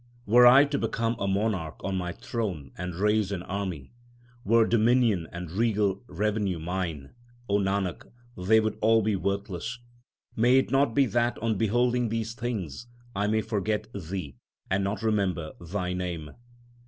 Were I to become a monarch on my throne and raise an army ; Were dominion and regal revenue mine O Nanak, they would be all worthless May it not be that on beholding these things I may forget Thee and not remember Thy name